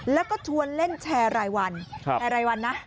แล้วก็ชวนเล่นแชร์รายวัน